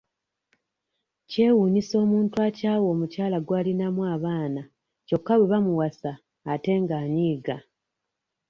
Kyewuunyisa omuntu akyawa omukyala gw'alinamu abaana kyokka bwe bamuwasa ate ng'anyiiga.